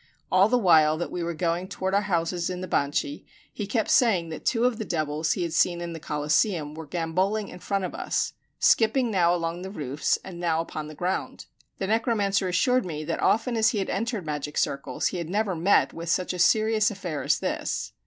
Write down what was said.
All the while that we were going toward our houses in the Banchi he kept saying that two of the devils he had seen in the Coliseum were gamboling in front of us, skipping now along the roofs and now upon the ground. The necromancer assured me that often as he had entered magic circles, he had never met with such a serious affair as this.